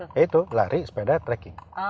ya itu lari sepeda trekking